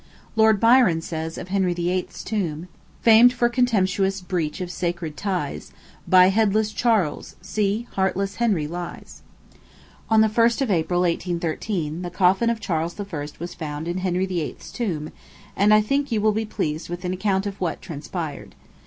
Lord Byron says of Henry VIII.'s tomb, "Famed for contemptuous breach of sacred ties, By headless Charles, see heartless Henry lies" On the 1st of April, 1813, the coffin of Charles I. was found in Henry VIII.'s tomb; and I think you will be pleased with an account of what, transpired.